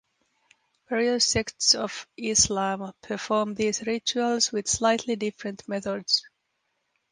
Various sects of Islam perform these rituals with slightly different methods.